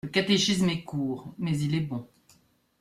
Le catéchisme est court ; mais il est bon.